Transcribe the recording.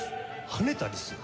跳ねたりする？